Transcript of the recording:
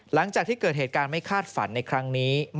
หลังจากที่เกิดเหตุการณ์ไม่คาดฝันเกี่ยวกันในครั้งนี้ไม่นานครับ